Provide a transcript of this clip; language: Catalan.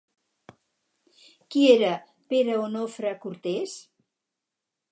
Qui era Pere Onofre Cortés?